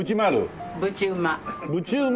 ぶちうま？